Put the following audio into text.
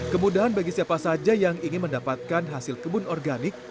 kemudahan bagi siapa saja yang ingin mendapatkan hasil kebun organik